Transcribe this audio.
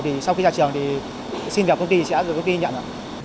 thì sau khi ra trường thì xin việc công ty sẽ được công ty nhận